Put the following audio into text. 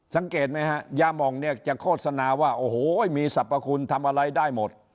สังเกตไหมฮะยามองเนี่ยจะโฆษณาว่าโอ้โหมีสรรพคุณทำอะไรได้หมด